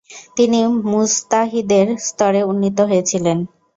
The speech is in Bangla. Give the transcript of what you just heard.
তিনি মুজতাহিদের স্তরে উন্নীত হয়েছিলেন।